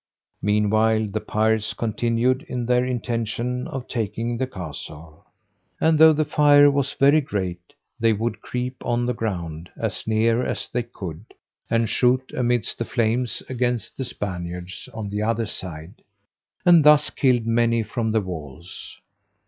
Meanwhile the pirates continued in their intention of taking the castle; and though the fire was very great, they would creep on the ground, as near as they could, and shoot amidst the flames against the Spaniards on the other side, and thus killed many from the walls.